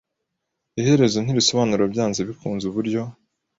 Iherezo ntirisobanura byanze bikunze uburyo.